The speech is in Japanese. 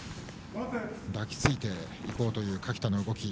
抱きついていこうという垣田の動き。